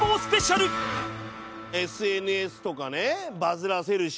ＳＮＳとかねバズらせるし。